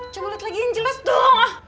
coba liat lagi yang jelas dong